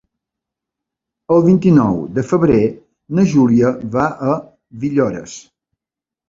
El vint-i-nou de febrer na Júlia va a Villores.